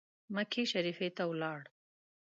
مکې شریفي ته ولاړ.